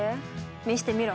見してみろ。